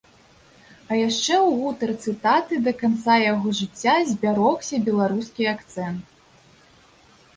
А яшчэ ў гутарцы таты да канца яго жыцця збярогся беларускі акцэнт.